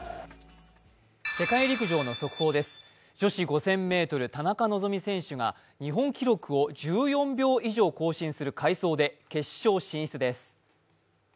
世界陸上の速報です女子５０００ｍ、田中希実選手が日本記録を１４秒以上更新する快走で決勝進出です。